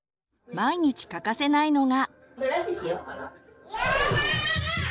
毎日欠かせないのが。